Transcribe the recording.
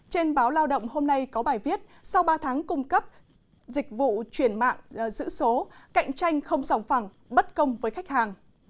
trên báo lao động hôm nay có bài viết sau ba tháng cung cấp dịch vụ chuyển mạng giữ số cạnh tranh không sòng phẳng bất công với khách hàng